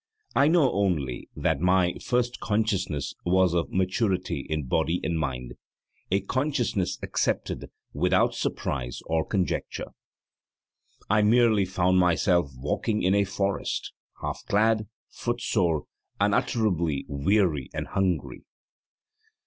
I know only that my first consciousness was of maturity in body and mind a consciousness accepted without surprise or conjecture. I merely found myself walking in a forest, half clad, footsore, unutterably weary and hungry.